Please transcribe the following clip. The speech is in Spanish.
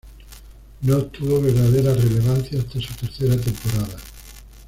No obtuvo verdadera relevancia hasta su tercera temporada.